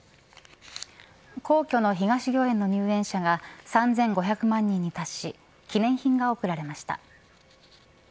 皇居の東御苑の入園者が３５００万人に達し記念品が贈られました。